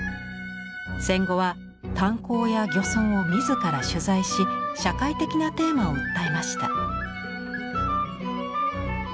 戦後は炭鉱や漁村を自ら取材し社会的なテーマを訴えました。